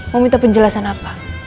mau minta penjelasan apa